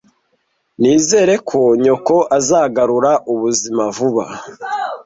Nizere ko nyoko azagarura ubuzima vuba.